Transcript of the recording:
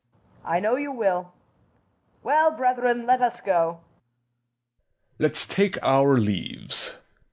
I know you will. Well, brethren, let us go. SECOND JEW. Let's take our leaves.